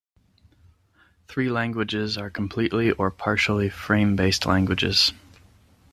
Three languages are completely or partially frame-based languages.